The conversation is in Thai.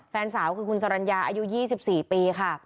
แฟนสาวคือคุณสรรญาอายุยี่สิบสี่ปีค่ะ